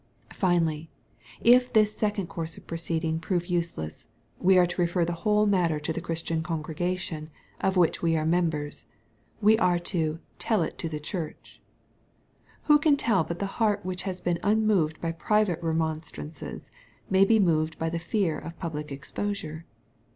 Finally, if this second course of proceeding prove useless, we are to refer the whole matter to the Christian congregation of which we are members — ^we are to " tell it to the church/' Who can tell but the heart which has been unmoved by private remonstrances, may be moved by the fear of public exposure